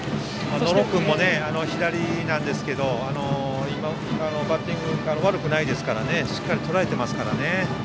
野呂君も左なんですけど今のバッティングも悪くないのでしっかりとらえていますからね。